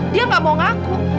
dia gak mau ngaku